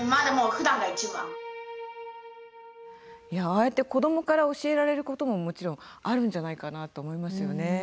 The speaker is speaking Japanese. ああやって子どもから教えられることももちろんあるんじゃないかなと思いますよね。